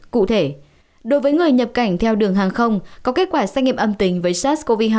cụ thể đối với người nhập cảnh theo đường hàng không có kết quả xét nghiệm âm tính với sars cov hai